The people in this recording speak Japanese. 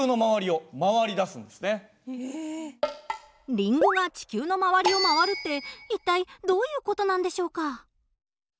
リンゴが地球の周りを回るって一体どういう事なんでしょうか？